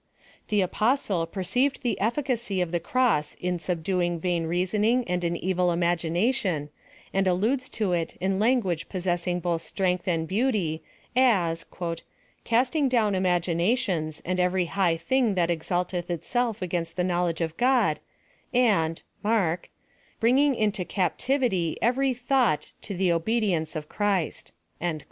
The apostle perceived the efficacy of the cross in subduing vain reasoning and an evil imagination, and alludes to it in language possessing both strength and beauty, as " casting down imaginations, and every high thing that exalteth itself against the knowledge of God, and [mark] bringing into cap^ tivity every thought to the obedience of Christ."